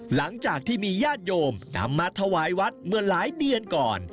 หลังจากที่มีญาติโยมนำมาถวายวัดเมื่อหลายเดือนก่อน